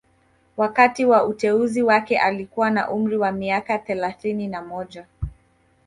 Wakati wa uteuzi wake alikuwa na umri wa miaka thelathini na moja